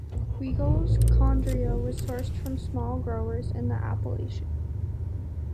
Guigal's Condrieu was sourced from small growers in the appellation.